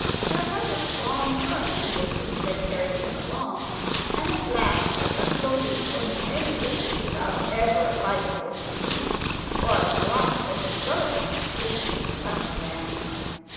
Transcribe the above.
There was a strong current in the sea that carried him along, and at last, after floating for many days without ever a bite for his teeth or a drop for his gullet, his feet touched land.